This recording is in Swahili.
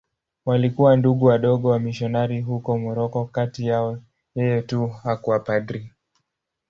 Walikuwa Ndugu Wadogo wamisionari huko Moroko.Kati yao yeye tu hakuwa padri.